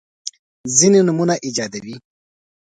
ځیني نومونه ایجادوي.